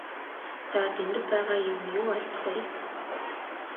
За Дэндэв байгаа юм юу алзах вэ?